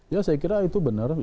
ya saya kira itu benar